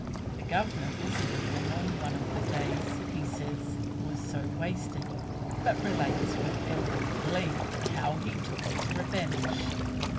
The Governor visited them on one of the days he says was so wasted, but relates, with evident glee, how he took his revenge.